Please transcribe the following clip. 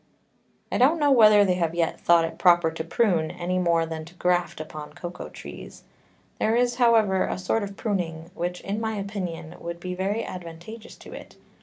I don't know whether they have yet thought it proper to prune, any more than to graft upon Cocao Trees: There is however a sort of Pruning which, in my Opinion, would be very advantageous to it.